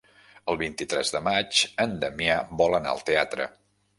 El vint-i-tres de maig en Damià vol anar al teatre.